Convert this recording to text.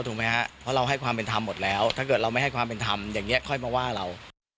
ครับเพราะเราให้ความเป็นธรรมหมดแล้วถ้าเกิดเราไม่ให้ความเป็นธรรมอย่างนี้ค่อยมาว่าเรา